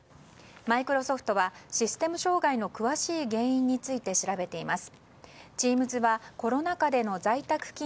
マイクロソフトはシステム障害の詳しい原因について調べています。